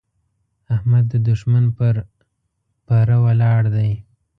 احمد د دوښمن پر پره ولاړ دی.